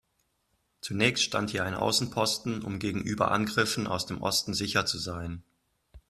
Zunächst stand hier ein Außenposten, um gegenüber Angriffen aus dem Osten sicher zu sein.